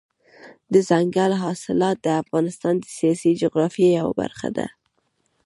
دځنګل حاصلات د افغانستان د سیاسي جغرافیې یوه برخه ده.